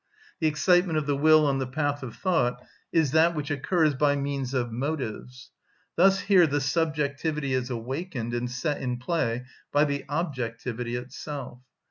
The excitement of the will on the path of thought is that which occurs by means of motives; thus here the subjectivity is awakened and set in play by the objectivity itself.